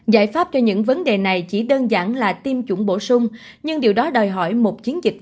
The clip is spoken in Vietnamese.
giải pháp cho những vấn đề này chỉ đơn giản là tiêm chủng bổ sung nhưng điều đó đòi hỏi một chiến dịch